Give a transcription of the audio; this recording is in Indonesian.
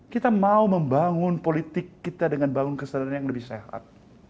kita mau membangun politik kita dengan bangun kesadaran yang lebih sehat